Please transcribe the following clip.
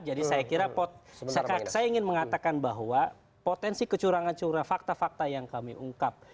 jadi saya kira saya ingin mengatakan bahwa potensi kecurangan kecurangan fakta fakta yang kami ungkap